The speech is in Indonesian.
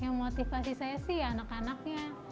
yang motivasi saya sih anak anaknya